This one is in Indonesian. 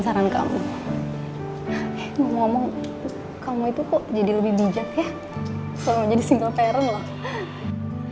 selalu menjadi single parent lah